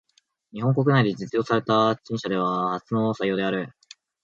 日本国内で実用された貨車では初の採用である。